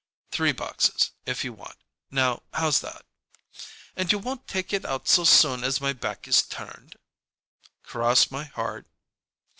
"Three boxes, if you want. Now, how's that?" "And you won't take it out so soon as my back is turned?" "Cross my heart."